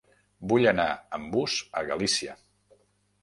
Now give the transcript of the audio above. Vull anar amb bus a Galícia.